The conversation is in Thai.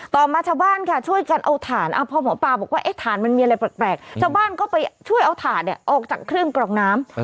ต่อมาชาวบ้านค่ะช่วยกันเอาถ่านพอหมอปลาบอกว่าฐานมันมีอะไรแปลกชาวบ้านก็ไปช่วยเอาถ่านออกจากเครื่องกรองน้ำ